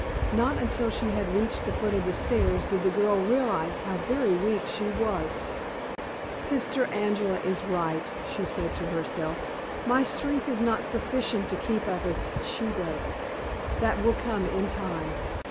Not until she had reached the foot of the stairs did the girl realize how very weak she was. "Sister Angela is right," she said to herself. "My strength is not sufficient to keep up as she does. That will come in time."